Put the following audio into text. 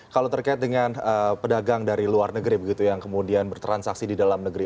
kalau terkait dengan pedagang dari luar negeri begitu yang kemudian bertransaksi di dalam negeri